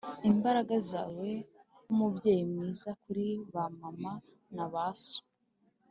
imbaraga zawe nkumubyeyi mwiza kuri ba mama na ba so,